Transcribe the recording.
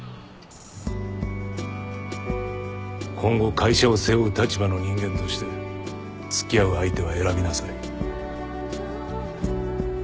今後会社を背負う立場の人間として付き合う相手は選びなさい。